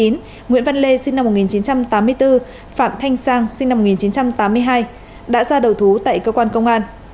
nguyễn văn lê sinh năm một nghìn chín trăm tám mươi bốn phạm thanh sang sinh năm một nghìn chín trăm tám mươi hai đã ra đầu thú tại cơ quan công an